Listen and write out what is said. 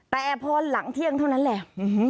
แต่พอหลังเที่ยงเท่านั้นแหละ